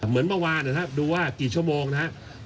เหมือนเมื่อวานนะครับดูว่ากี่ชั่วโมงนะครับ